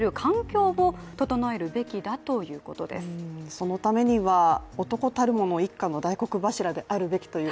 そのためには、男たるもの一家の大黒柱であるべきという